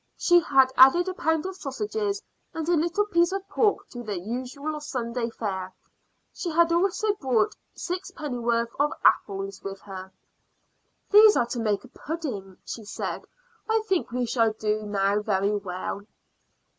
She had added a pound of sausage and a little piece of pork to their usual Sunday fare. She had also brought sixpennyworth of apples with her. "These are to make a pudding," she said. "I think we shall do now very well."